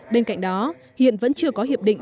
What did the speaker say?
bên cạnh đó hiện vẫn chưa có hiệp định